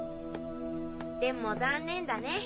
でも残念だね。